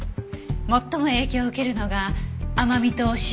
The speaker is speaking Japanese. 最も影響を受けるのが甘味と塩味の感覚よ。